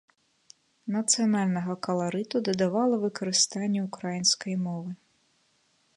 Нацыянальнага каларыту дадавала выкарыстанне ўкраінскай мовы.